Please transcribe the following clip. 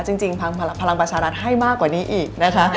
จริงพลังประชารัฐให้มากกว่านี้อีกนะคะ